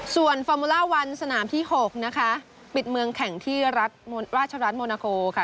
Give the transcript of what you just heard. ส่วนฟอร์มูล่าวันสนามที่๖นะคะปิดเมืองแข่งที่รัฐราชรัฐโมนาโคค่ะ